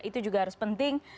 itu juga harus penting